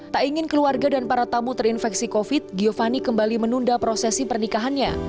tak ingin keluarga dan para tamu terinfeksi covid giovanni kembali menunda prosesi pernikahannya